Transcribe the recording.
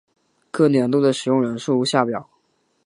各年度的使用人数如下表。